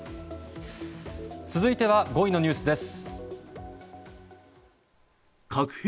続いては５位のニュースです。